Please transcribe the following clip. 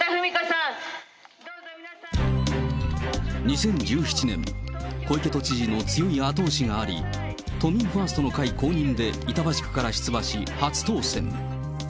２０１７年、小池都知事の強い後押しがあり、都民ファーストの会公認で板橋区から出馬し、初当選。